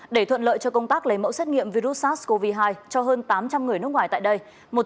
để thuận lợi cho công tác lấy mẫu xét nghiệm virus sars cov hai cho hơn tám trăm linh người nước ngoài tại đây